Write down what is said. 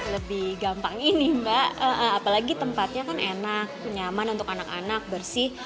lebih gampang ini mbak apalagi tempatnya kan enak nyaman untuk anak anak bersih